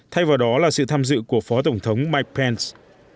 thay vào đó là sự tham dự của phó tổng thống mike pence